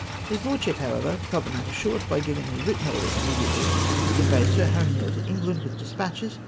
His lordship, however, cut the matter short by giving me written orders immediately to convey Sir Harry Neale to England with despatches.